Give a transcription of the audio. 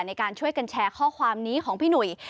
ในการช่วยกันแชร์ข้อความนี้ของพี่หนุ่ย